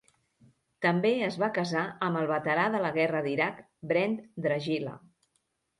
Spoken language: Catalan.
També es va casar amb el veterà de la guerra d'Iraq Brent Dragila.